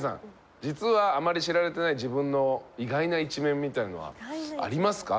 実はあまり知られてない自分の意外な一面みたいのはありますか？